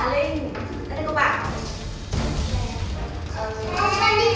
đến đây các bạn